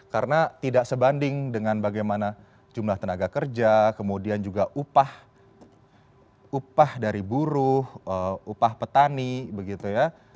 karena tidak sebanding dengan bagaimana jumlah tenaga kerja kemudian juga upah dari buruh upah petani begitu